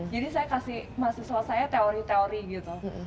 jadi saya kasih mahasiswa saya teori teori gitu